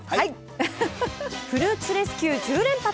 「フルーツレスキュー１０連発」。